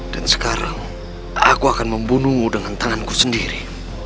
dan sekarang aku akan membunuhmu dengan tanganku sendiri